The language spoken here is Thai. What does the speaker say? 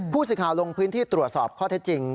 ผู้สื่อข่าวลงพื้นที่ตรวจสอบข้อเท็จจริง